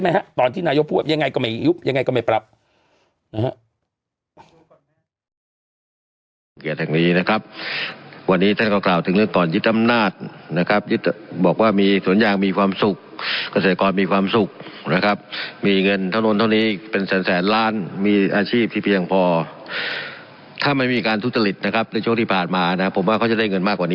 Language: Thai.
ไหมฮะตอนที่นายกพูดว่ายังไงก็ไม่ยุบยังไงก็ไม่